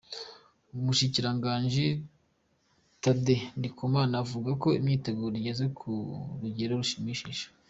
Umushikiranganji Thadée Ndikumana avuga ko imyiteguro igeze ku rugero rushimishije.